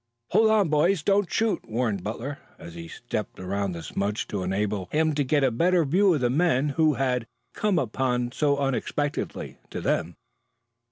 "Hold on, boys don't shoot!" warned Butler, as he stepped around the smudge to enable him to get a better view of the men whom he had come upon so unexpectedly, to them.